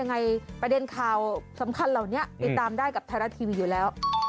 ยังไงประเด็นข่าวสำคัญเหล่านี้ติดตามได้กับไทยรัฐทีวีอยู่แล้ว